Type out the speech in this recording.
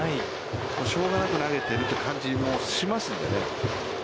しょうがなく投げているという感じがしますのでね。